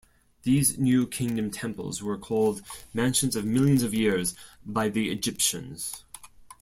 These New Kingdom temples were called "mansions of millions of years" by the Egyptians.